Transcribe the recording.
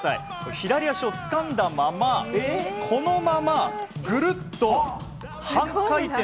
左足をつかんだままこのまま、ぐるっと半回転。